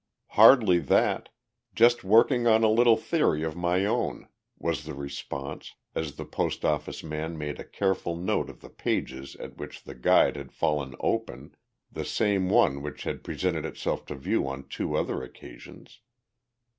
"Hardly that. Just working on a little theory of my own," was the response, as the post office man made a careful note of the page at which the Guide had fallen open the same one which had presented itself to view on the two other occasions.